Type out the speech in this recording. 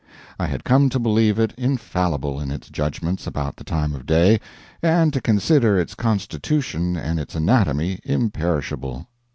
I had come to believe it infallible in its judgments about the time of day, and to consider its constitution and its anatomy imperishable.